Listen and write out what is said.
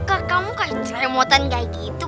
kok kamu kaya ceremotan kaya gitu